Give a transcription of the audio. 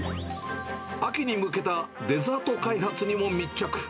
秋に向けたデザート開発にも密着。